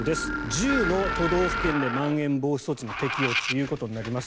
１０の都道府県でまん延防止措置の適用ということになります。